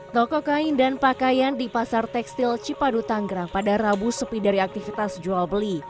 toko kain dan pakaian di pasar tekstil cipadu tanggerang pada rabu sepi dari aktivitas jual beli